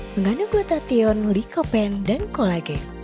mengandung glutation likopen dan kolagen